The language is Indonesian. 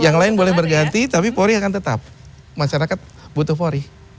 yang lain boleh berganti tapi polri akan tetap masyarakat butuh polri